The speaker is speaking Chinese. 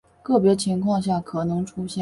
个别情况下可能出现。